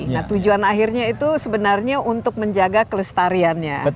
nah tujuan akhirnya itu sebenarnya untuk menjaga kelestariannya